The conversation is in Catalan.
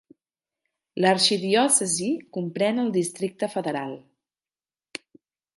L'arxidiòcesi comprèn el Districte Federal.